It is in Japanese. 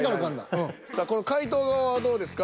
さあこの解答側はどうですか？